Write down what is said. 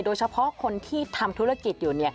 โดยเฉพาะคนที่ทำธุรกิจอยู่